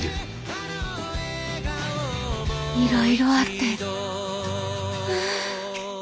いろいろあってはあ。